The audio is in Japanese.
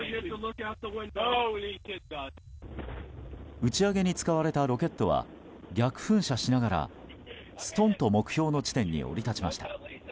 打ち上げに使われたロケットは逆噴射しながら、ストンと目標の地点に降り立ちました。